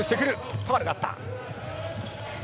ファウルがあった。